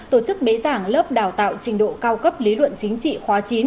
tổ chức bế giảng lớp đào tạo trình độ cao cấp lý luận chính trị khóa chín